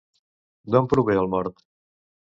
D'on prové el mot?